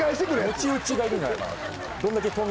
餅打ちがいるんじゃないかな。